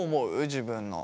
自分の。